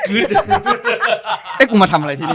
ไอ้กูมาทำอะไรที่นี่